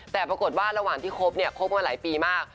แต่ปรากฏว่าระหว่างที่คบเนี่ยคบมาหลายปีมาก